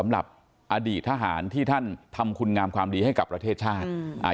สำหรับอดีตทหารที่ท่านทำคุณงามความดีให้กับประเทศชาติอืมอ่า